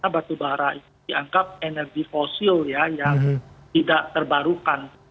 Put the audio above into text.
batu bara itu dianggap energi fosil ya yang tidak terbarukan